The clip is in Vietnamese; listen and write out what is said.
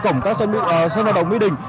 cổng các sân vận động mỹ đình